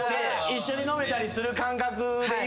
一緒に飲めたりする感覚でいうとね。